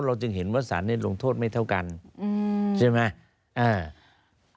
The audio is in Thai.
จึงเห็นว่าสารนี้ลงโทษไม่เท่ากันใช่ไหม